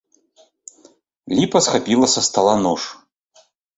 Ліпа схапіла са стала нож.